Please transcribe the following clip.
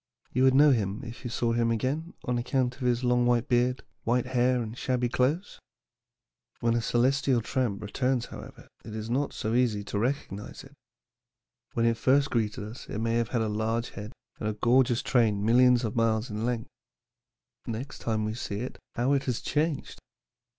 You would know him if you saw him again on account of his long white beard, white hair, and shabby clothes. "When a celestial tramp returns, however, it is not so easy to recognize it. When it first greeted us it may have had a large head and a gorgeous train millions of miles in length. Next time we see it, how it has changed!